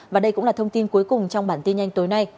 và đây cũng là thông tin cuối cùng trong bản tin nhanh tối nay